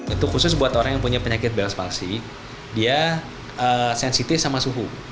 itu khusus buat orang yang punya penyakit belas palsi dia sensitif sama suhu